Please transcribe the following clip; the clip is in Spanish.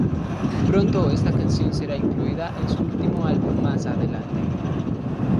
Pronto esta canción sería incluida en su último álbum más adelante.